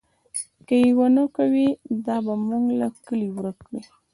که یې نه ورکوئ، دا به موږ له کلي ورک کړي.